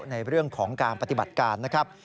ในเรื่องของการปฏิบัติการนะครับ